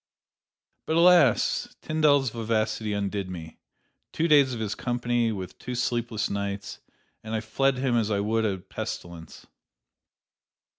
"But, alas! Tyndall's vivacity undid me: two days of his company, with two sleepless nights, and I fled him as I would a pestilence."